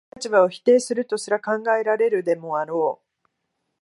かかる立場を否定するとすら考えられるでもあろう。